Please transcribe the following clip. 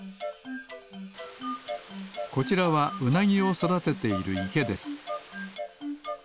こちらはウナギをそだてているいけです